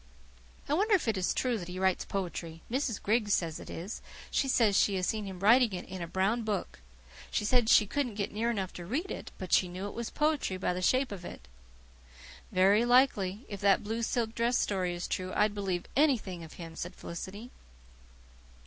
I wonder if it is true that he writes poetry. Mrs. Griggs says it is. She says she has seen him writing it in a brown book. She said she couldn't get near enough to read it, but she knew it was poetry by the shape of it." "Very likely. If that blue silk dress story is true, I'd believe ANYTHING of him," said Felicity.